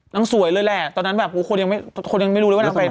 นางสวยเลยแหละตอนนั้นแบบคนยังไม่รู้เลยว่านางเป็น